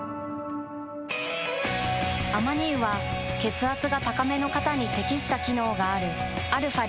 アマニ油は血圧が高めの方に適した機能があるαー